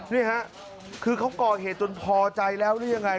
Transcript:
นี่ฮะคือเขาก่อเหตุจนพอใจแล้วหรือยังไง